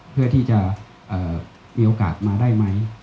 เพื่อที่จะมีโอกาสมาได้ไหม